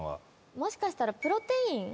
もしかしたらプロテイン？